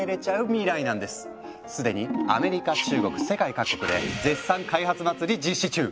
すでにアメリカ中国世界各国で絶賛開発祭り実施中！